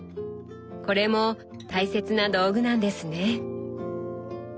これも大切な道具なんですね。